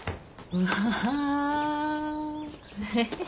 うわ。